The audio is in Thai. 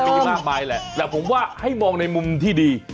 มีมากมายแหละแต่ผมว่าให้มองในมุมที่ดี